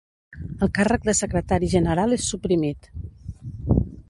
El càrrec de secretari general és suprimit.